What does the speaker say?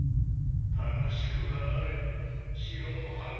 楽しくはあれど城も半壊状態。